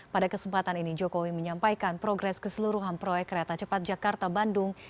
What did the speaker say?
pada kesempatan ini jokowi menyampaikan progres keseluruhan proyek kereta cepat jakarta bandung